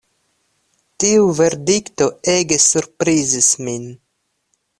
Tiu verdikto ege surprizis min.